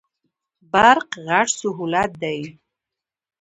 برق غټ سهولت دی.